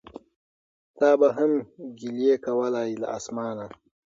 تا به هم ګیلې کولای له اسمانه